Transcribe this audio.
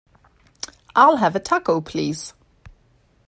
I'll have a Taco, please.